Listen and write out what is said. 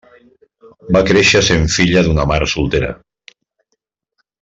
Va créixer sent filla d’una mare soltera.